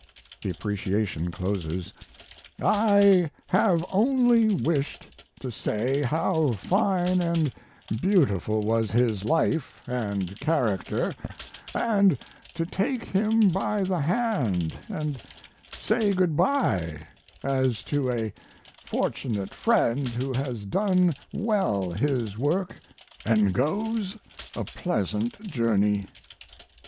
The appreciation closes: I have only wished to say how fine and beautiful was his life and character, and to take him by the hand and say good by, as to a fortunate friend who has done well his work and gees a pleasant journey.